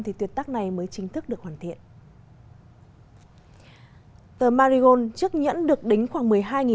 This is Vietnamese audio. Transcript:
thì tuyết tác này mới chính thức được hoàn thiện tờ marigold chiếc nhẫn được đính khoảng một mươi hai sáu trăm ba mươi tám